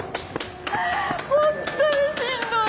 本当にしんどい！